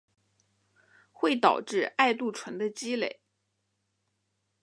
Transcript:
会导致艾杜醇的积累。